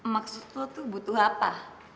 maksud lo tuh butuh apa